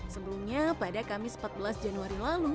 sebelumnya pada kamis empat belas januari lalu